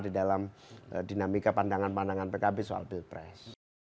ini juga yang menjadi pkb agak terlambat menguat